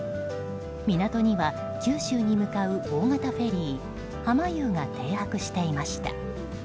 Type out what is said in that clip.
港には九州に向かう大型フェリー「はまゆう」が停泊していました。